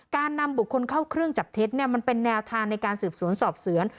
การนำบุคคลเข้าเครื่องจับเท็จมันเป็นแนวทางในการสืบสวนสอบสวน